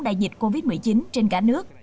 đại dịch covid một mươi chín trên cả nước